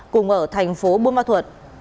cùng ở thành phố bơ ma thuật